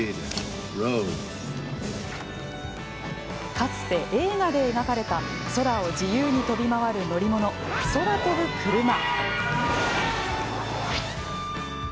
かつて映画で描かれた空を自由に飛び回る乗り物空飛ぶクルマ。